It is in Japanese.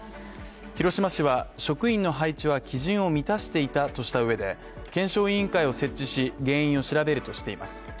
広島市は職員の配置は基準を満たしていたとしたうえで検証委員会を設置し、原因を調べるとしています。